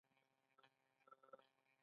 ایا زه باید د وربشو ډوډۍ وخورم؟